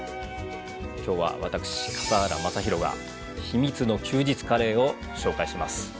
今日は私笠原将弘が「秘密の休日カレー」を紹介します。